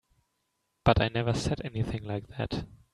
But I never said anything like that.